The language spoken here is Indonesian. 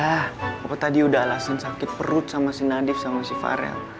nah opa tadi udah alasan sakit perut sama si nadif sama si farel